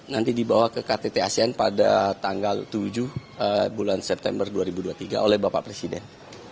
nanti dibawa ke ktt asean pada tanggal tujuh bulan september dua ribu dua puluh tiga oleh bapak presiden